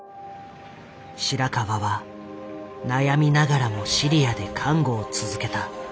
白川は悩みながらもシリアで看護を続けた。